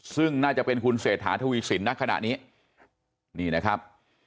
ซึ่งน่าจะเป็นคุณเสถาธุวิสินนะขณะนี้นี่นะครับ